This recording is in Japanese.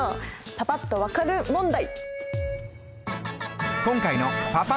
パパっと分かる問題。